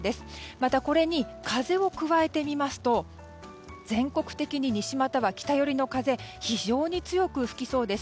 また、これに風を加えてみますと全国的に西、または北寄りの風非常に強く吹きそうです。